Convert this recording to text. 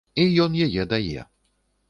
І ён яе дае.